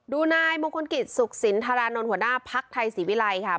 นายมงคลกิจสุขสินธารานนท์หัวหน้าภักดิ์ไทยศรีวิรัยค่ะ